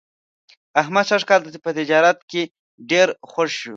احمد سږ کال په تجارت کې ډېر خوږ شو.